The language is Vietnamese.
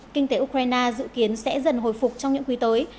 kinh tế ukraine dự kiến sẽ dần hồi phục trong những quý tới